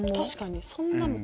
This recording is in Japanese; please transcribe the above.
確かにそんな。